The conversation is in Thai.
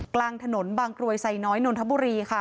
กลางถนนบางกรวยไซน้อยนนทบุรีค่ะ